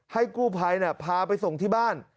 ให้กู้ภัยพาไปส่งที่บ้าน